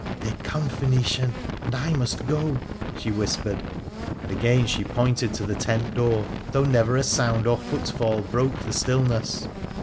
' They some, Phoenician, and I must go,' she whispered, and again she pointed to the tent door, though never a sound or footfall broke the stillness.